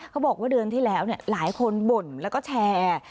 เขาบอกว่าเดือนที่แล้วหลายคนบ่นแล้วก็แชร์